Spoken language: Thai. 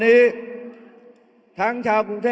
เอาข้างหลังลงซ้าย